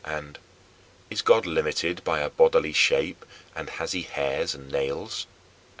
and, "Is God limited by a bodily shape, and has he hairs and nails?"